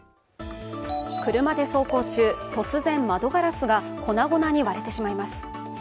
車で走行中、突然、窓ガラスが粉々に割れてしまいます。